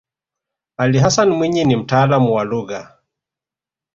ali hassan mwinyi ni mtaalamu wa lugha